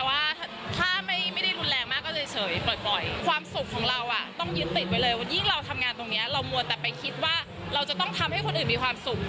ความสุขของเราอ่ะต้องยึดติดไว้เลยยิ่งเราทำงานตรงเนี้ยเรามวลแต่ไปคิดว่าเราจะต้องทำให้คนอื่นมีความสุข